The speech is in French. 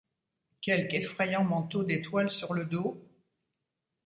Quelque effrayant manteau d’étoiles sur le dos ?